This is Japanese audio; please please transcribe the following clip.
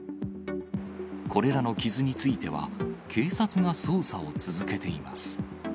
これらの傷については、警察が捜査を続けています。